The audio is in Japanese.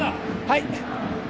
はい